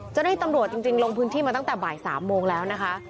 เจ้าหน้าที่ตำรวจจริงลงพื้นที่มาตั้งแต่บ่าย๓โมงแล้วนะคะ